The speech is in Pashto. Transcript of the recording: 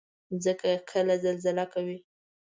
مځکه کله زلزله کوي.